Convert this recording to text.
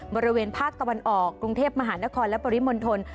บริเวณภาคตะวันออกกรุงเทพมหานครและปริมณฑล